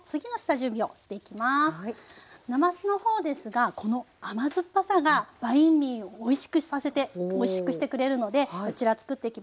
なますの方ですがこの甘酸っぱさがバインミーをおいしくさせておいしくしてくれるのでこちらつくっていきます。